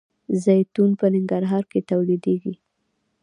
زیتون په ننګرهار کې تولیدیږي.